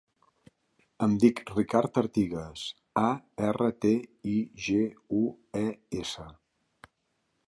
Em dic Ricard Artigues: a, erra, te, i, ge, u, e, essa.